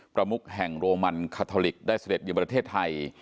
ประมุกแห่งโรมันคาทอลิกได้เสด็จอยู่ประเทศไทย